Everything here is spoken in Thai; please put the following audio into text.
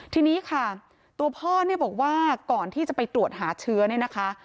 ทีนี้ค่ะตัวพ่อเนี่ยบอกว่าก่อนที่จะไปตรวจหาเชื้อเนี่ยนะคะ